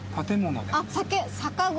あっ酒酒蔵？